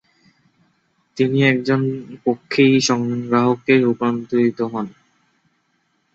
তিনি একজন পক্ষী-সংগ্রাহকে রূপান্তরিত হন।